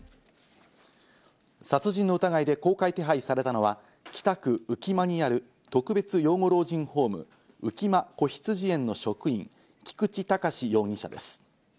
殺人の疑いで公開手配されたのは北区浮間にある特別養護老人ホーム・浮間こひつじ園の職員・菊池隆容疑者です。